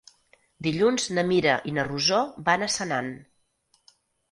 Dilluns na Mira i na Rosó van a Senan.